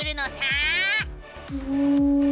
うん。